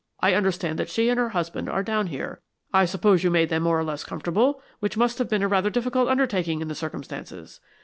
I understand that she and her husband are down here. I suppose you made them more or less comfortable, which must have been a rather difficult undertaking in the circumstances.